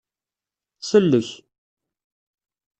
Sellek.